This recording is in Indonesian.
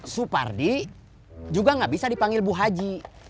supardi juga nggak bisa dipanggil bu haji